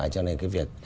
cho nên cái việc